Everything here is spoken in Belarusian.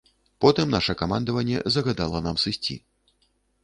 Потым наша камандаванне загадала нам сысці.